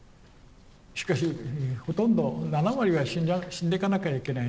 しかしほとんど７割は死んでかなきゃいけない。